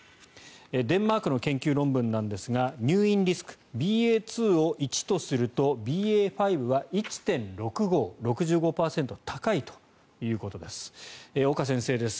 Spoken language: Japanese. デンマークの研究論文なんですが入院リスクＢＡ．２を１とするとＢＡ．５は１．６５６５％高いということです。